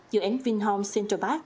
dự án vinhomes central park